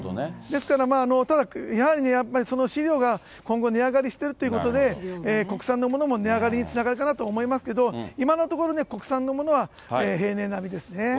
ですから、ただやっぱりその飼料が今後、値上がりしているっていうことで、国産のものも値上がりにつながるかなと思いますけれども、今のところね、国産のものは平年並みですね。